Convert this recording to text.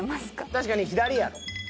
確かに左やろ？